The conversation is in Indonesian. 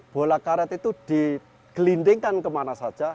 bola karet itu digelindingkan ke mana saja